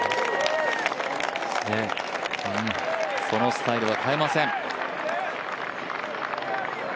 そのスタイルは変えません。